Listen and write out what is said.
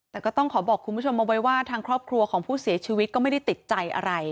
แต่ก็ต้องขอบอกคุณผู้ชมเอาไว้ว่าทางครอบครัวของผู้เสียชีวิตก็ไม่ได้ติดใจอะไร